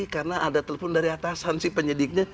karena ada telepon dari atasan sih penyidiknya